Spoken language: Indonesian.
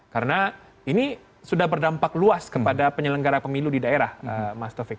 karena ini sudah berdampak luas kepada penyelenggara pemilu di daerah mas tovik